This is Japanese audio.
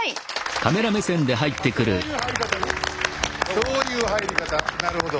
そういう入り方なるほど。